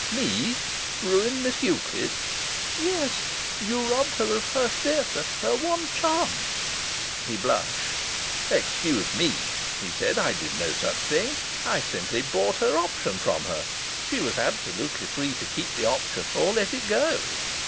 Me ruined Miss Euclid!" "Yes. You robbed her of her theatre her one chance." He blushed. "Excuse me," he said. "I did no such thing. I simply bought her option from her. She was absolutely free to keep the option or let it go."